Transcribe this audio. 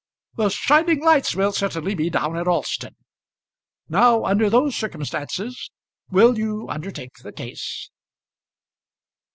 "The shining lights will certainly be down at Alston. Now under those circumstances will you undertake the case?"